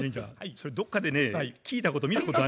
それどっかでね聞いたこと見たことあんねやけどね。